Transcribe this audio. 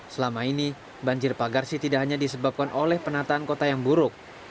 selama ini banjir pagarsi tidak hanya disebabkan oleh penataan kota yang buruk